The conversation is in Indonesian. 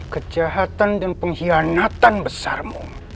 kejahatan dan pengkhianatan besarmu